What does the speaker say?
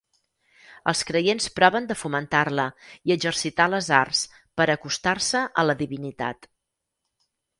Els creients proven de fomentar-la i exercitar les arts per a acostar-se a la divinitat.